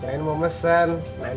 kalau kita bakal pengen pengen